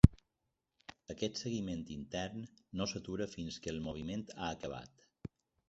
Aquest seguiment intern, no s'atura fins que el moviment ha acabat.